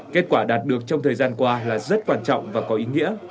kết quả đạt được trong thời gian qua là rất quan trọng và có ý nghĩa